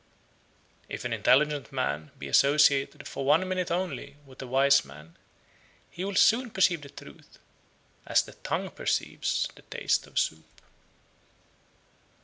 65. If an intelligent man be associated for one minute only with a wise man, he will soon perceive the truth, as the tongue perceives the taste of soup.